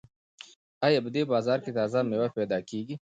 ایا په دې بازار کې تازه مېوې پیدا کیږي؟